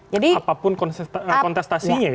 jadi apapun kontestasi